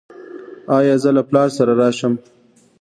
ایا زه له پلار سره راشم؟